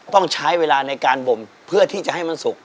ต้องใช้เวลาในการบมเพื่อที่จะให้มันสุก